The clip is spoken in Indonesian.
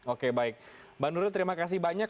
oke baik mbak nurul terima kasih banyak